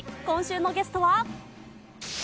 今週のゲストは。